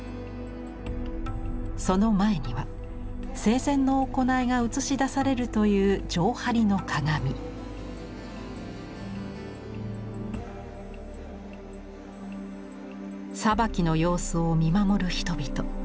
その前には生前の行いが映し出されるという裁きの様子を見守る人々。